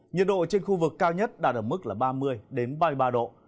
nhiệt độ trên khu vực cao nhất đạt ở mức là ba mươi ba mươi ba độ